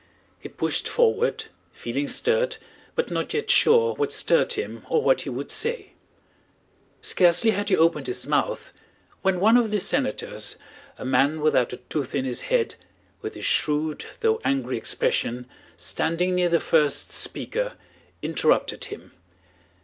He pushed forward, feeling stirred, but not yet sure what stirred him or what he would say. Scarcely had he opened his mouth when one of the senators, a man without a tooth in his head, with a shrewd though angry expression, standing near the first speaker, interrupted him.